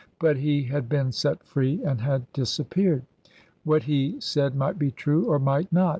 But he had been set free and had disappeared. What he said might be true, or might not.